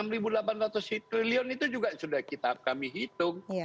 rp enam delapan ratus triliun itu juga sudah kami hitung